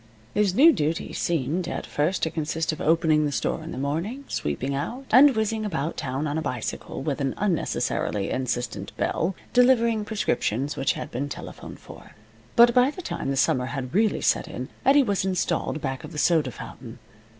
His new duties seemed, at first, to consist of opening the store in the morning, sweeping out, and whizzing about town on a bicycle with an unnecessarily insistent bell, delivering prescriptions which had been telephoned for. But by the time the summer had really set in Eddie was installed back of the soda fountain.